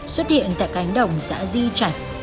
xuất hiện tại cánh đồng xã di trạch